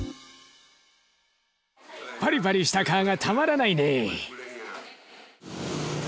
パリパリした皮がたまらないね。